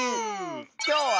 きょうは。